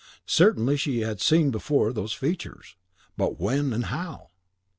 Certainly she had seen before those features; but when and how?